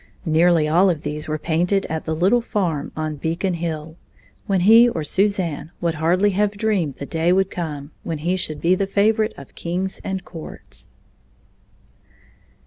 Nearly all of these were painted at the "little farm" on Beacon Hill, when he or Suzanne would hardly have dreamed the day would come when he should be the favorite of kings and courts.